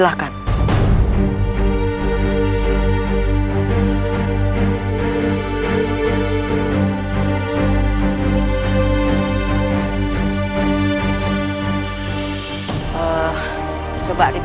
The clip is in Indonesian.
tuhan yang terbaik